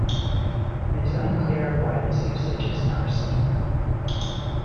It is unclear why this usage is now seen.